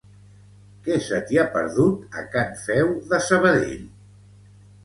Què se t'hi ha perdut, a Can Feu de Sabadell?